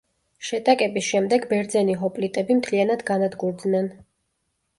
შეტაკების შემდეგ ბერძენი ჰოპლიტები მთლიანად განადგურდნენ.